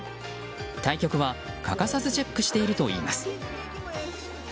対局は欠かさずチェックしているといいます。